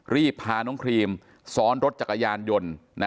รีบพาน้องครีมซ้อนรถจักรยานยนต์